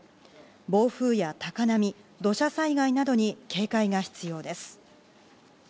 暴風や高波、土砂災害などに警戒が必要です。